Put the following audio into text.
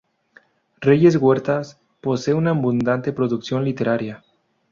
Reyes Huertas posee una abundante producción literaria.